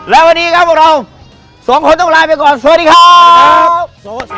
และวันนี้ครับพวกเราสองคนต้องลายไปก่อนสวัสดีครับสวัสดีครับโซสิโซสิครับ